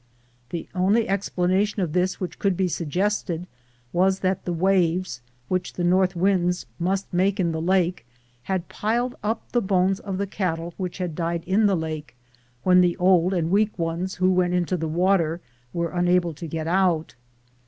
The only explanation of this which could be suggested was that the waves which the north winds must make in the lake had piled up the bones of the cattle which had died in the lake, when the old and weak ones who went into the water were unable to get out.